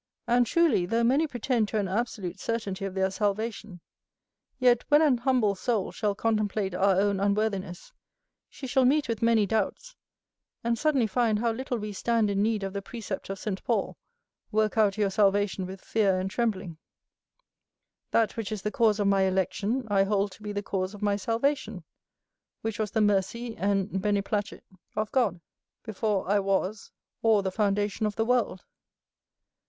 And truly, though many pretend to an absolute certainty of their salvation, yet when an humble soul shall contemplate our own unworthiness, she shall meet with many doubts, and suddenly find how little we stand in need of the precept of St Paul, "work out your salvation with fear and trembling." That which is the cause of my election, I hold to be the cause of my salvation, which was the mercy and beneplacit of God, before I was, or the foundation of the world.